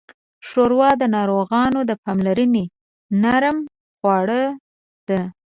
ښوروا د ناروغانو د پاملرنې نرمه خواړه ده.